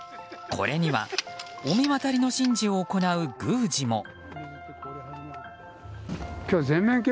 これには御神渡りの神事を行う宮司も。